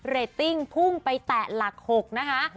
เรตติ้งพุ่งไปแตะหลัก๖นะคะ